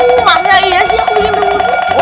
maknya iya sih aku bikin masalah